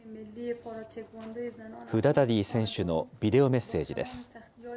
フダダディ選手のビデオメッセージです。